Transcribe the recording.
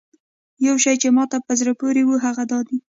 یو شی چې ماته په زړه پورې و هغه دا دی.